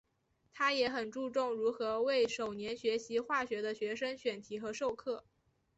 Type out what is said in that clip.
他也很注重如何为首年学习化学的学生选题和授课。